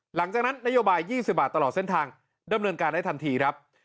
หลังจากนั้นนโยบาย๒๐บาทตลอดเส้นทางดำเนินการได้ทันทีครับ